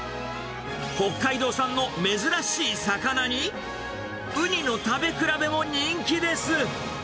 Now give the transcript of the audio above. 北海道産の珍しい魚に、ウニの食べ比べも人気です。